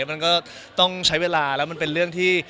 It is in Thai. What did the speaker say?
มันก็ต้องใช้เวลาแล้วมันเป็นเรื่องที่